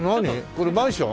これマンション？